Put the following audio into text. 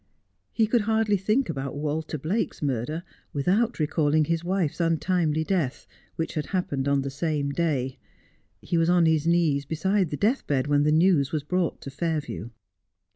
He could hardly think about Walter Blake's murder without Dulcie Asks Questions. 29 recalling Ms wife's untimely death, which had happened on the same day. He was on his knees beside the deathbed when the news was brought to Fairview.